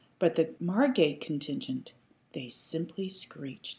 But the Margate contingent! They simply screeched.